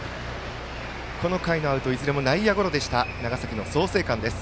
この回のアウトいずれも内野ゴロでした、長崎の創成館。